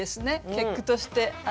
結句として。